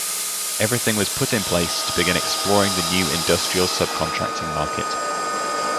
Everything was put in place to begin exploring the new industrial subcontracting market.